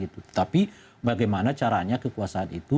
tetapi bagaimana caranya kekuasaan itu